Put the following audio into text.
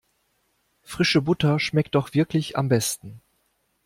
Frische Butter schmeckt doch wirklich am besten.